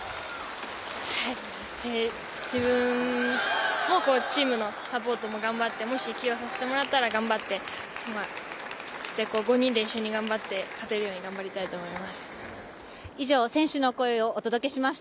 自分もチームのサポートも頑張って、もし起用してもらえたら頑張って５人で一緒に頑張って、勝てるようにしたいと思います。